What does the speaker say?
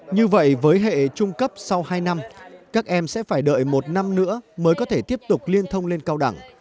như vậy với hệ trung cấp sau hai năm các em sẽ phải đợi một năm nữa mới có thể tiếp tục liên thông lên cao đẳng